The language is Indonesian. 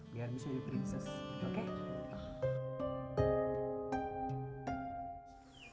biar bisa jadi prinses oke